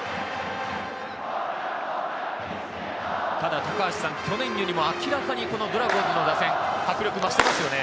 ただ去年よりも明らかにドラゴンズの打線が迫力を増していますね。